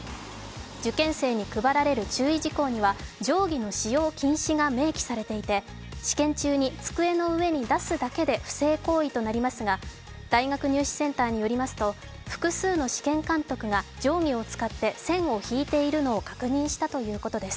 受験生に配られる注意事項には定規の使用禁止が明記されていて、試験中に机の上に出すだけで不正行為となりますが大学入試センターによりますと複数の試験監督が定規を使って線を引いているのを確認したということです。